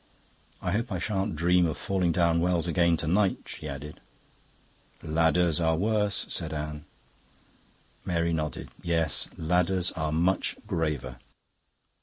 "I hope I shan't dream of falling down wells again to night," she added. "Ladders are worse," said Anne. Mary nodded. "Yes, ladders are much graver."